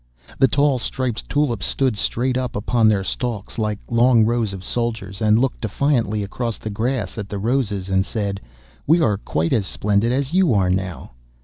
The tall striped tulips stood straight up upon their stalks, like long rows of soldiers, and looked defiantly across the grass at the roses, and said: 'We are quite as splendid as you are now.